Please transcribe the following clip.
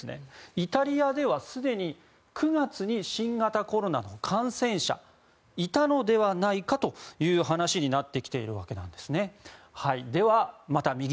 イタリアではすでに９月に新型コロナの感染者がいたのではないかという話になってきているんです。